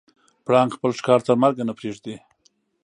پړانګ خپل ښکار تر مرګه نه پرېږدي.